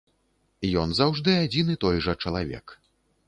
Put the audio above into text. Ён заўжды адзін і той жа чалавек.